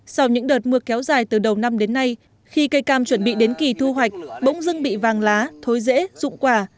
sau những đợt mưa kéo dài từ đầu năm đến nay khi cây cam chuẩn bị đến kỳ thu hoạch bỗng dưng bị vàng lá thối dễ dụng quả